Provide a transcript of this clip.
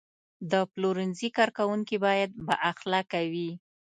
د پلورنځي کارکوونکي باید بااخلاقه وي.